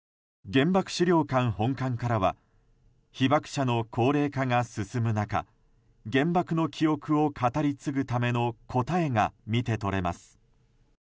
原爆資料館本館からは被爆者の高齢化が進む中原爆の記憶を語り継ぐための答えが見て取れます。